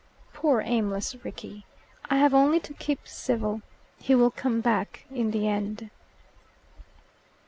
Poor aimless Rickie! I have only to keep civil. He will come back in the end."